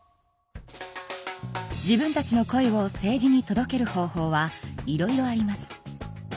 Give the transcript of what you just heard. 自分たちの声を政治に届ける方法はいろいろあります。